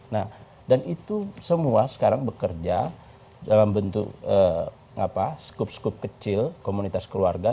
nah dan itu semua sekarang bekerja dalam bentuk skup skup kecil komunitas keluarga